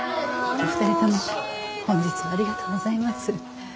お二人とも本日はありがとうございます。